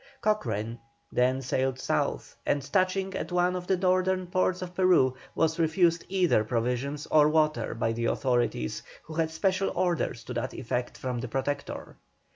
Cochrane then sailed South, and touching at one of the northern ports of Peru, was refused either provisions or water by the authorities, who had special orders to that effect from the Protector.